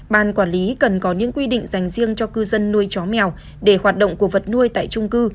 ban quản lý cần có những quy định dành riêng cho cư dân nuôi chó mèo để hoạt động của vật nuôi tại trung cư